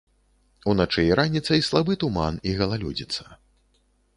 Уначы і раніцай слабы туман і галалёдзіца.